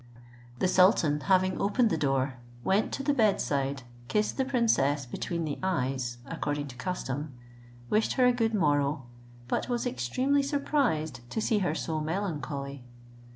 The sultan having opened the door, went to the bed side, kissed the princess between the eyes, according to custom, wishing her a good morrow, but was extremely surprised to see her so melancholy.